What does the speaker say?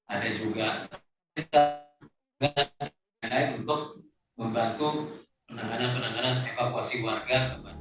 ada juga kita untuk membantu penanganan penanganan evakuasi warga